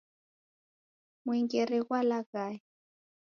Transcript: Mwengere ghwalaghaya.